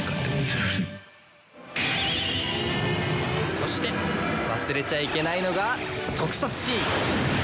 そして忘れちゃいけないのが特撮シーン！